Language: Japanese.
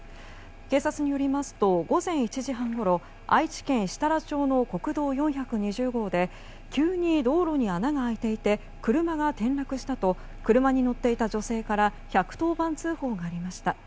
警察によりますと午前１時半ごろ愛知県設楽町の国道４２０号で急に道路に穴が開いていて車が転落したと車に乗っていた女性から１１０番通報がありました。